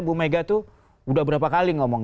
bu mega itu udah berapa kali ngomong